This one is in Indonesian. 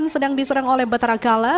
sedang diserang oleh batara kala